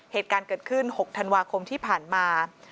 เหตุการณ์เกิดขึ้น๖ธันวาคมที่ผ่านมา